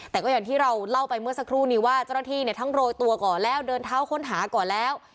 แต่ก็อย่างที่เราเล่าไปเมื่อสักครู่นี้ว่าเจ้าหน้าที่เนี่ยทั้งโรยตัวก่อนแล้วเดินเท้าค้นหาก่อนแล้ว